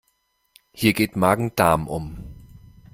Hier geht Magen-Darm um.